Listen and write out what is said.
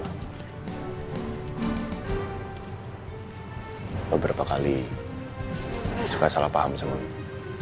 lo berapa kali suka salah paham sama gue